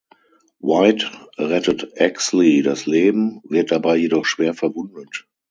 White rettet Exley das Leben, wird dabei jedoch schwer verwundet.